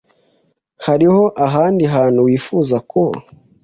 Hariho ahandi hantu wifuza kuba?